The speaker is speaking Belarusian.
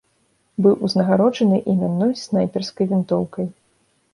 Быў узнагароджаны імянной снайперскай вінтоўкай.